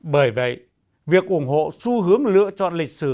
bởi vậy việc ủng hộ xu hướng lựa chọn lịch sử